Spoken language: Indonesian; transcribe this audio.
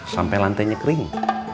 sampai lantainya kering